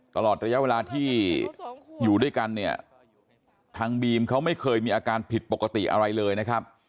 ตลอดระยะเวลาที่อยู่ด้วยกันเนี่ยทางบีมเขาไม่เคยมีอาการผิดปกติอะไรเลยนะครับ